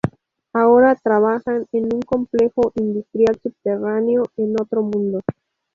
Ahora trabajan en un complejo industrial subterráneo en otro mundo.